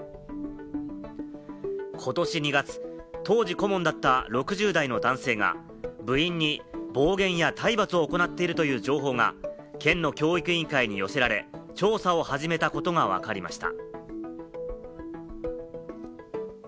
今年２月、当時顧問だった６０代の男性が部員に暴言や体罰を行っているという情報が県の教育委員会に寄せられ、調査を始めたことがわかりました。